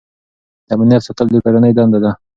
د امنیت ساتل د کورنۍ دنده ده.